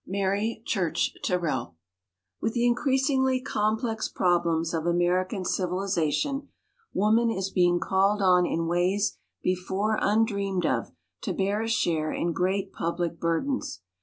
MARY CHURCH TERRELL With the increasingly complex problems of American civilization, woman is being called on in ways before undreamed of to bear a share in great public burdens.